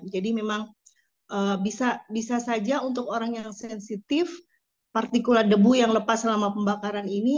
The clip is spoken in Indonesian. jadi memang bisa saja untuk orang yang sensitif partikulan debu yang lepas selama pembakaran ini